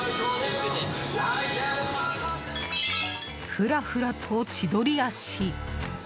ふらふらと千鳥足。